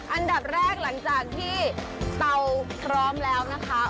อันดับแรกหลังจากที่เตาพร้อมแล้วนะคะ